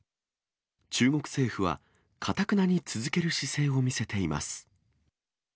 中国政府は、頑なに続ける姿勢を見せています。